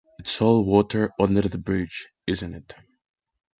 It's all water under the bridge, isn't it?